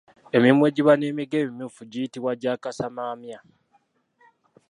Emimwa egiba n’emigo emimyufu giyitibwa gya kasamamya.